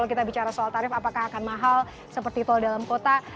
kalau kita bicara soal tarif apakah akan mahal seperti tol dalam kota